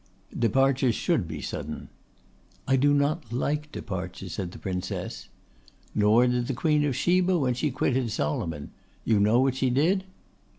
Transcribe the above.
'Departures should be sudden.' 'I do not like departures,' said the Princess. 'Nor did the Queen of Sheba when she quitted Solomon. You know what she did?